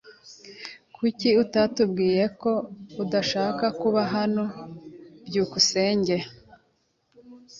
Niki utatubwiye ko udashaka kuba hano? byukusenge